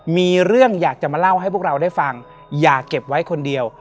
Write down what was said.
มีเรื่องอยากจะมาเล่าให้พวกเราได้ฟังอย่าเก็บไว้คนเดียว